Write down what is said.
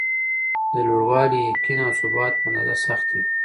د لوړوالي ،یقین او ثبات په اندازه سخته وي.